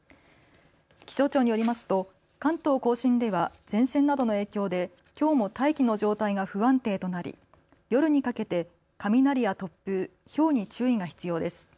気象庁によりますと関東甲信では前線などの影響できょうも大気の状態が不安定となり夜にかけて雷や突風、ひょうに注意が必要です。